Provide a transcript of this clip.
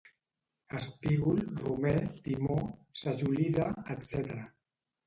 espígol, romer, timó, sajolida, etc.